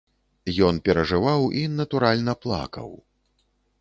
Ён перажываў і, натуральна, плакаў.